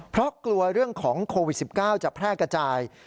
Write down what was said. เพราะกลัวเรื่องของโควิด๑๙จะแพร่กระจาย